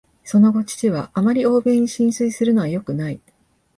その後、父は「あまり欧米に心酔するのはよくない」